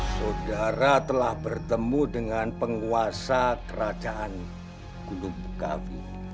saudara telah bertemu dengan penguasa kerajaan gulug bukawi